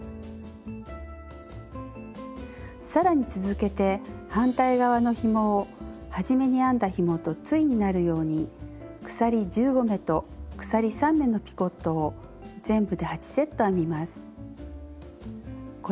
更に続けて反対側のひもをはじめに編んだひもと対になるように鎖１５目と鎖３目のピコットを全部で８セット編みます。